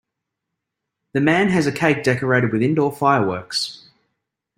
The man has a cake decorated with indoor fireworks.